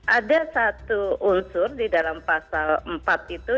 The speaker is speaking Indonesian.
ada satu unsur di dalam pasal empat itu